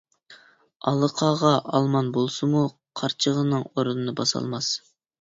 ئالا قاغا ئالمان بولسىمۇ، قارچىغىنىڭ ئورنىنى باسالماس.